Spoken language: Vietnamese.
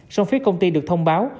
trong phía công ty được thông báo